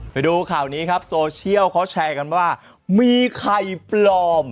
ไปดูข่าวนี้ครับโซเชียลเขาแชร์กันว่ามีไข่ปลอม